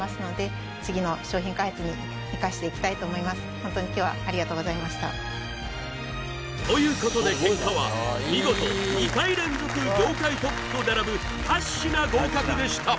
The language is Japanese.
ホントに今日はということで結果は見事２回連続業界トップと並ぶ８品合格でした